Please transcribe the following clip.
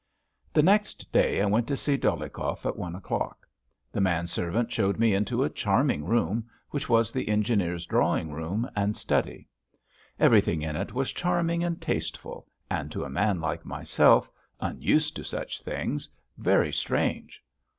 The next day I went to see Dolyhikov at one o'clock. The man servant showed me into a charming room, which was the engineer's drawing room and study. Everything in it was charming and tasteful, and to a man like myself, unused to such things, very strange.